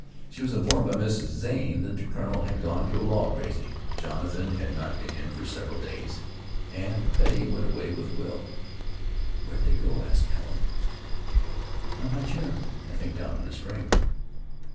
She was informed by Mrs. Zane that the colonel had gone to a log raising; Jonathan had not been in for several days, and Betty went away with Will. "Where did they go?" asked Helen. "I'm not sure; I think down to the spring."